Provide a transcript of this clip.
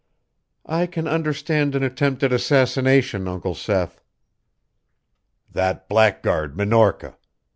"I can understand an attempt at assassination, Uncle Seth." "That blackguard Minorca!